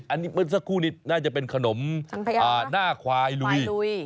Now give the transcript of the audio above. อันนี้เมื่อสักครู่นี้น่าจะเป็นขนมหน้าควายลุย